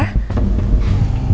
maksud ibu erlangga